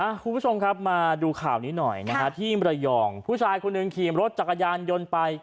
คุณผู้ชมครับมาดูข่าวนี้หน่อยนะฮะที่มรยองผู้ชายคนหนึ่งขี่รถจักรยานยนต์ไป